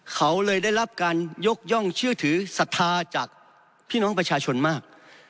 เขาเลยได้รับการยกย่องเชื่อถือศรัทธาจากพี่น้องประชาชนมาก